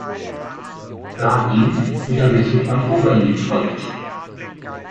Ragin unterrichtet am Oberlin College.